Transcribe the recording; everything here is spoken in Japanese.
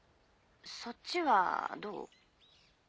そっちはどう？